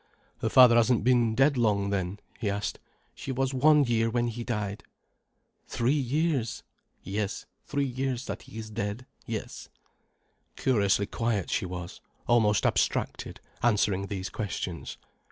"Her father hasn't been dead long, then?" he asked. "She was one year when he died." "Three years?" "Yes, three years that he is dead—yes." Curiously quiet she was, almost abstracted, answering these questions.